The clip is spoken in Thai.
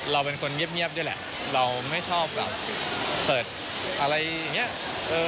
เราเป็นคนเงียบด้วยแหละเราไม่ชอบแบบเปิดอะไรอย่างนี้